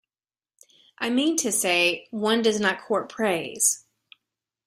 I mean to say, one does not court praise.